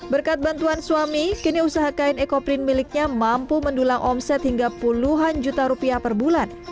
berkat bantuan suami kini usaha kain ekoprint miliknya mampu mendulang omset hingga puluhan juta rupiah per bulan